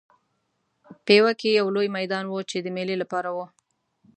پېوه کې یو لوی میدان و چې د مېلې لپاره و.